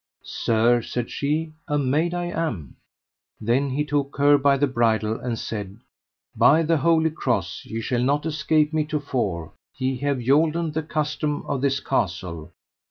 Sir, said she, a maid I am. Then he took her by the bridle and said: By the Holy Cross, ye shall not escape me to fore ye have yolden the custom of this castle.